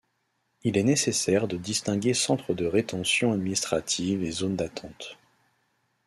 Il est nécessaire de distinguer centre de rétention administrative et zone d'attente.